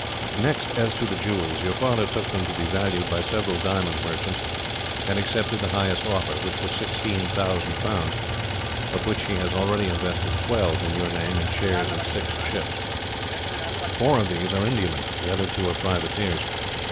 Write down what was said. "Next as to the jewels. Your father took them to be valued by several diamond merchants, and accepted the highest offer, which was 16,000 pounds, of which he has already invested twelve, in your name, in shares in six ships. Four of these are Indiamen. The other two are privateers.